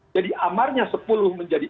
jadi amarnya sepuluh menjadi empat